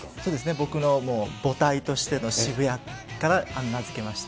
僕の母体としての渋谷から名付けました。